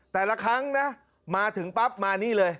แต่ละครั้งนะมาถึงปั๊บมานี่เลย